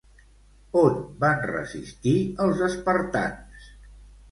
On van resistir els espartans?